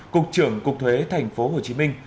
cục trưởng cục thuế tp hcm